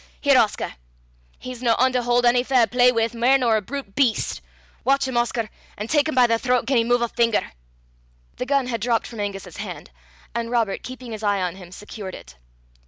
Here, Oscar! He's no ane to haud ony fair play wi', mair nor a brute beast. Watch him, Oscar, and tak him by the thro't gien he muv a finger." The gun had dropped from Angus's hand, and Robert, keeping his eye on him, secured it.